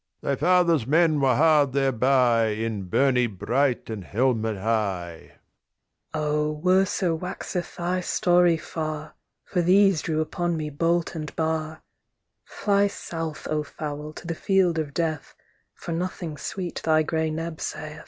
THE RAVEN Thy father's men were hard thereby In byrny bright and helmet high. THE KING'S DAUGHTER O worser waxeth thy story far, For these drew upon me bolt and bar. Fly south, O fowl, to the field of death For nothing sweet thy grey neb saith.